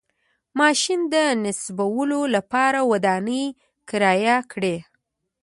ماشین د نصبولو لپاره ودانۍ کرایه کړه.